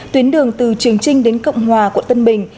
tuyến đường từ trường trinh đến cộng hòa quận tân bình